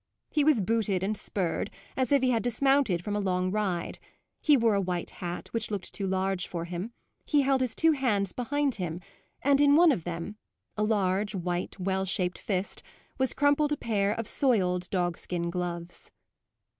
He was booted and spurred, as if he had dismounted from a long ride; he wore a white hat, which looked too large for him; he held his two hands behind him, and in one of them a large, white, well shaped fist was crumpled a pair of soiled dog skin gloves.